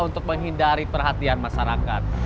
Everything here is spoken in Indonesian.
untuk menghindari perhatian masyarakat